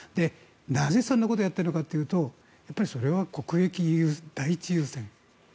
なぜそんなことをやっているのかというとそれは国益第一優先。